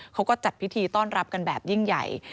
เขาก็จัดพิธีต้อนรับกันแบบยิ่งใหญ่